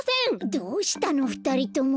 どうしたのふたりとも。